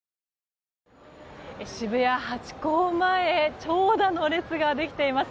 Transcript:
渋谷ハチ公前長蛇の列ができています。